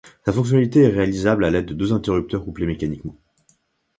Sa fonctionnalité est réalisable à l'aide de deux interrupteurs couplés mécaniquement.